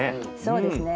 そうですね。